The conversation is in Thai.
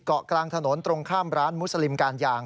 เกาะกลางถนนตรงข้ามร้านมุสลิมการยาง